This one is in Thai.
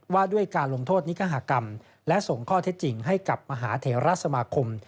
ว่าด้วยการลงโทษนิกหากรรมและส่งข้อเท็จจริงให้กับมหาเทราสมาคม